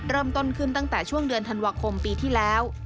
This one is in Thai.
เริ่มต้นขึ้นตั้งแต่ช่วงเดือนธันวาคมปีที่แล้ว